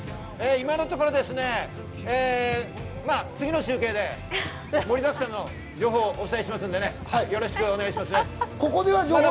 今のところですね、次の中継で盛りだくさんの情報をお伝えしますので、よろしくお願